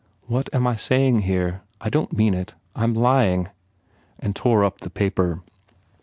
"What am I saying here ? I don t mean it I m lying," and tore up the paper.